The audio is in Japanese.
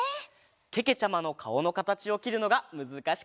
けけちゃまのかおのかたちをきるのがむずかしかったんだって。